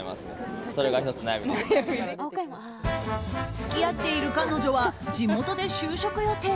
付き合っている彼女は地元で就職予定。